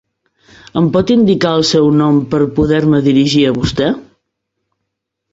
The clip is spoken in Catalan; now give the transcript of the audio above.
Em pot indicar el seu nom per poder-me dirigir a vostè?